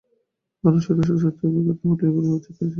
কারণ শত শত শতাব্দীর অভিজ্ঞতার ফলে ঐগুলি গঠিত হইয়াছে।